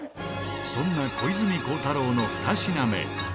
そんな小泉孝太郎の２品目。